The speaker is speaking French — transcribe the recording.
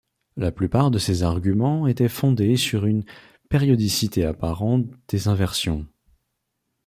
La plupart de ces arguments étaient fondés sur une périodicité apparente des inversions.